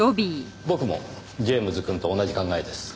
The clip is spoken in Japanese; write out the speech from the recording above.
僕もジェームズくんと同じ考えです。